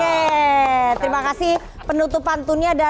jangan gunakan untuk berkuasa